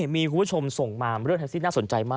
มีคุณผู้ชมส่งมาเรื่องแท็กซี่น่าสนใจมาก